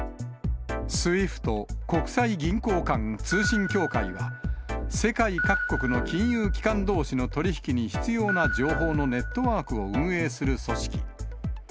ＳＷＩＦＴ・国際銀行間通信協会は、世界各国の金融機関どうしの取り引きに必要な情報のネットワークを運営する組織。